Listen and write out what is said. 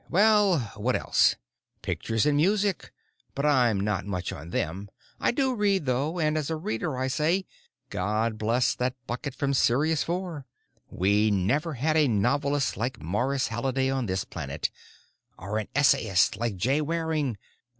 Well, what else? Pictures and music, but I'm not much on them. I do read, though, and as a reader I say, God bless that bucket from Sirius IV. We never had a novelist like Morris Halliday on this planet—or an essayist like Jay Waring.